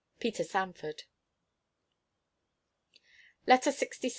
PETER SANFORD. LETTER LXVI.